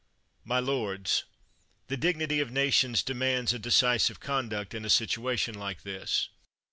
214 CHATHAM My lords, the dignity of nations demands a decisive conduct in a situation like this.